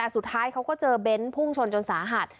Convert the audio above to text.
สุดท้ายเขาก็เจอเบนท์พุ่งชนจนสาหัส